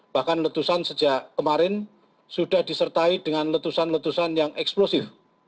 bahkan letusan sejak kemarin sudah disertai dengan letusan letusan yang eksplosif